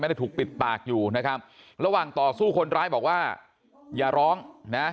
ได้ถูกปิดปากอยู่นะครับระหว่างต่อสู้คนร้ายบอกว่าอย่าร้องนะ